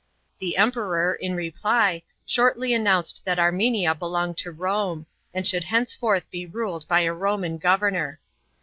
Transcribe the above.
Tlie Emperor, in reply, shortly announced that Armenia belong d to Rome, and should hencefonh be ruled by a Koman governor.